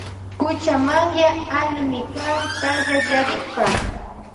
Kuchamanya allimi kan kallakllarikpa.